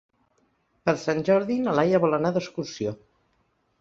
Per Sant Jordi na Laia vol anar d'excursió.